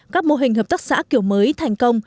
các mô hình hợp tác xã kiểu mới thành công